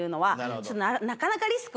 なかなか。